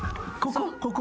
ここ？